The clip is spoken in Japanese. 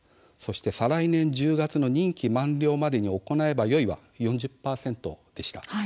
再来年１０月の任期満了までに行えばよいは４０％でした。